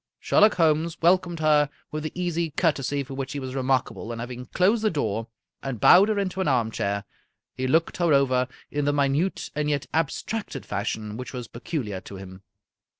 Sher lock Holmes welcomed her with the easy courtesy for which he was remarkable, and having closed the door, and bowed her into an armchair, he looked her over in the minute and yet abstracted fashion which was peculiar to him.